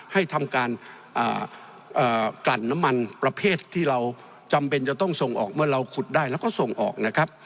ให้ทำการกลั่นน้ำมันประเภทที่เราจำเป็นจะต้องส่งออกเมื่อเราขุดได้แล้วก็ส่งออกนะครับ